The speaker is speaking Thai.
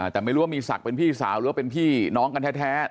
แต่ไม่รู้ว่ามีศักดิ์เป็นพี่สาวหรือว่าเป็นพี่น้องกันแท้